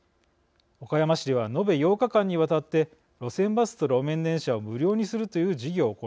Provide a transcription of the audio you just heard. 岡山市ではのべ８日間にわたって路線バスと路面電車を無料にするという事業を行いました。